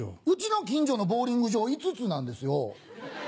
うちの近所のボウリング場５つなんですよ。